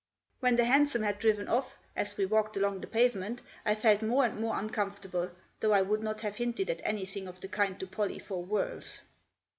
When the hansom had driven off, as we walked along the pavement, I felt more and more uncomfortable, though I would not have hinted at anything of the kind to Pollie for worlds.